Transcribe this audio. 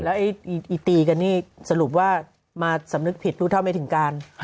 แล้วไอ้ตีกันนี่สรุปว่ามาสำนึกผิดรู้เท่าไม่ถึงการ